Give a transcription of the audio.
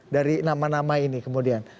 dari nama nama ini kemudian